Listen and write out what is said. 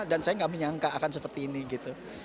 dan saya tidak menyangka akan seperti ini